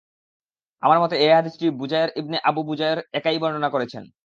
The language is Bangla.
আমার মতে, এ হাদীসটি বুজায়র ইবন আবু বুজায়র একাই বর্ণনা করেছেন।